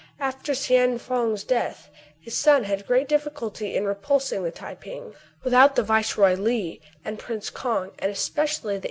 After S'Hiene Fong's death, his son had great difficulty in repulsing the Tai ping. Without the Viceroy Li, and Prince Kong, and especially the